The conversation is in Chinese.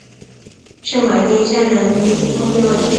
圣马丁乡人口变化图示